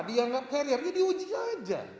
dianggap kariernya diuji saja